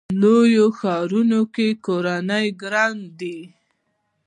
په لویو ښارونو کې کورونه ګران دي.